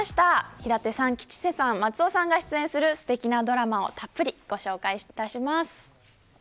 平手さん、吉瀬さん、松尾さんが出演するすてきなドラマをたっぷりご紹介します。